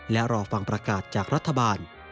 และรอฟังประกาศจากรัฐบาล